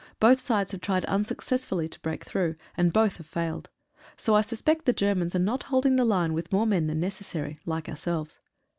Both sides have tried unsuccessfully to break through, and both have failed. So I suspect the Germans are not hold ing the line with more men than necessary, like ourselves.